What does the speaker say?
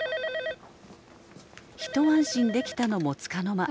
☎一安心できたのもつかの間。